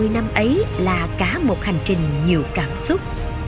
hai mươi năm ấy là cả một hành trình nhiều cảm xúc